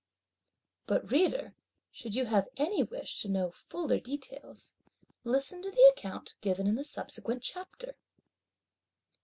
But, Reader, should you have any wish to know fuller details, listen to the account given in the subsequent Chapter.